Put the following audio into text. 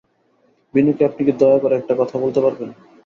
বিনুকে আপনি কি দয়া করে একটা কথা বলতে পারবেন?